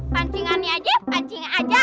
pancingannya aja pancing ajaib